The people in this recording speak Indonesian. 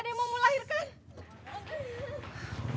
ada yang mau melahirkan